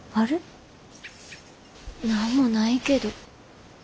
何もないけど。